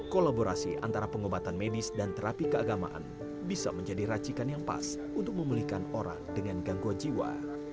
kolaborasi antara pengobatan medis dan terapi keagamaan bisa menjadi racikan yang pas untuk memulihkan orang dengan gangguan jiwa